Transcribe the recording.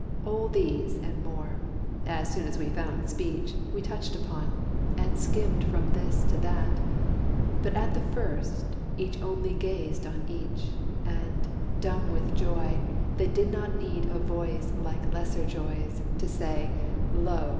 All these, and more, as soon as we found speech, We touched upon, and skimmed from this to that But at the first, each only gazed on each, And, dumb with joy, that did not need a voice Like lesser joys, to say, "Lo!